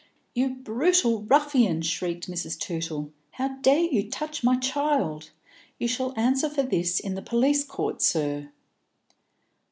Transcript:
"You brutal ruffian!" shrieked Mrs. Tootle. "How dare you touch my child? You shall answer for this in the police court, sir."